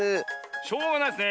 しょうがないですね。